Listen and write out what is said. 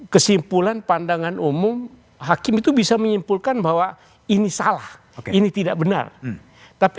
kesimpulan pandangan umum hakim itu bisa menyimpulkan bahwa ini salah ini tidak benar tapi